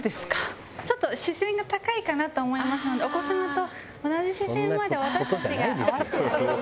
ちょっと視線が高いかなと思いますのでお子様と同じ視線まで私たちが合わせてあげる。